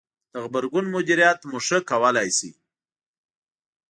-د غبرګون مدیریت مو ښه کولای ش ئ